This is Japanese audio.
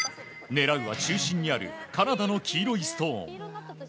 狙うは中心にあるカナダの黄色いストーン。